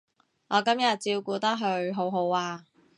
我今日照顧得佢好好啊